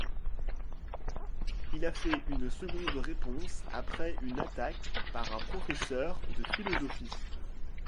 Il a fait une seconde réponse après une attaque par un professeur de philosophie.